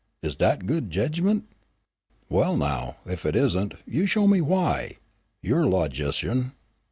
Is dat good jedgment?" "Well, now if it isn't, you show me why, you're a logician."